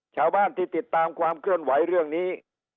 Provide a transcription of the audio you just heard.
ชาวบ้านที่ติดตามความเคลื่อนไหวเรื่องนี้